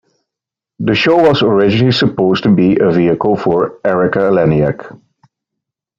The show was originally supposed to be a vehicle for Erika Eleniak.